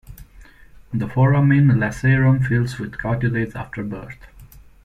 The foramen lacerum fills with cartilage after birth.